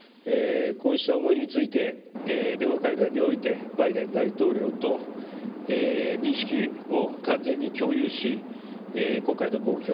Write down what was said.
こうしたものについて電話会談においてバイデン大統領と認識を完全に共有し今回の暴挙